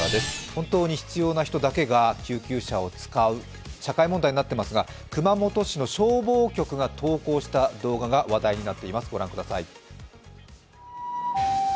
本当に必要な人だけが救急車を使う、社会問題になっていますが熊本市の消防局が投稿した動画が話題になっています。